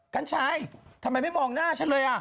กัญชัยทำไมไม่มองหน้าฉันเลยอ่ะ